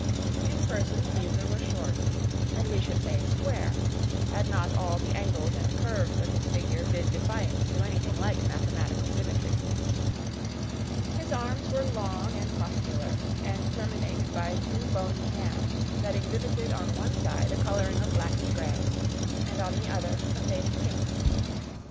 In person Caesar was short, and we should say square, had not all the angles and curves of his figure bid defiance to anything like mathematical symmetry. His arms were long and muscular, and terminated by two bony hands, that exhibited on one side a coloring of blackish gray, and on the other, a faded pink.